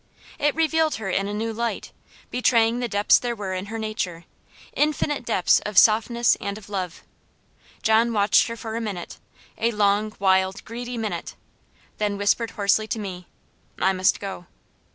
It revealed her in a new light; betraying the depths there were in her nature; infinite depths of softness and of love. John watched her for a minute; a long, wild, greedy minute, then whispered hoarsely to me, "I must go."